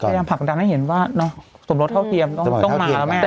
พยายามผลักดันให้เห็นว่าสมรสเท่าเทียมต้องมาแล้วแม่